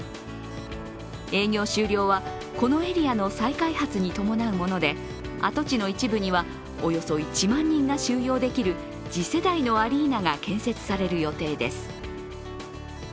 営業終了は、このエリアの再開発に伴うもので跡地の一部にはおよそ１万人が収納できる次世代のアリーナが建設される予定です。